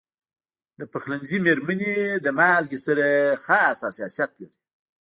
د پخلنځي میرمنې د مالګې سره خاص حساسیت لري.